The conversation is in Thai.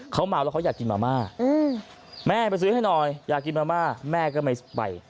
เขาเมาแล้วเขาอยากกินมาม่าแม่ไปซื้อให้หน่อยอยากกินมาม่าแม่ก็ไม่ไป